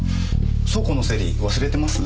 倉庫の整理忘れてます？